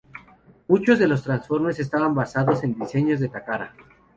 Muchos de los Transformers estaban basados en diseños de Takara.